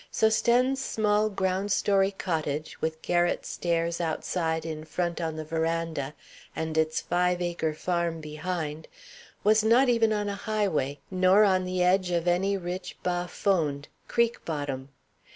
Sosthène's small ground story cottage, with garret stairs outside in front on the veranda and its five acre farm behind, was not even on a highway nor on the edge of any rich bas fond, creek bottom.